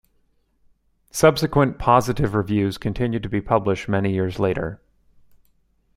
Subsequent positive reviews continued to be published many years later.